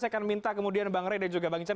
saya akan minta kemudian bang rey dan juga bang ican